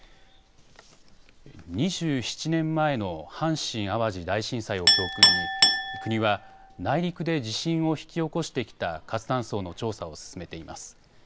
２７年前の阪神・淡路大震災を教訓に国は内陸で地震を引き起こしてきた活断層の調査を進めています。